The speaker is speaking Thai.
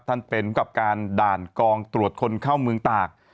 ท่านเป็นผู้กับการด่านกองตรวจคนเข้าเมืองตาก